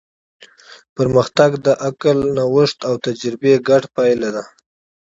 پرمختګ د عقل، نوښت او تجربه ګډه پایله ده.